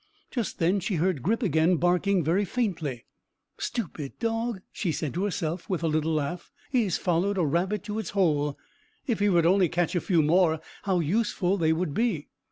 Just then she heard Grip again barking very faintly. "Stupid dog!" she said to herself, with a little laugh. "He has followed a rabbit to its hole. If he would only catch a few more, how useful they would be!"